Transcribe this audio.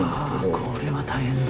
これは大変だ。